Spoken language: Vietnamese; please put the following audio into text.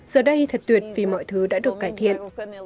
giờ đây thật tuyệt vì mọi thứ đã được cải thiện